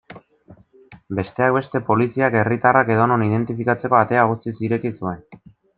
Besteak beste, poliziak herritarrak edonon identifikatzeko atea guztiz ireki zuen.